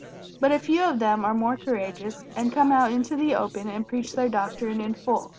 But a few of them are more courageous, and come out into the open and preach their doctrine in full.